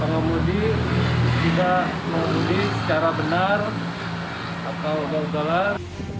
pengomudi tidak mengomudi secara benar atau ugal ugalan